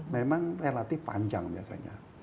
memang relatif panjang biasanya